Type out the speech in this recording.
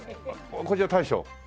こちら大将？